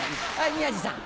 宮治さん。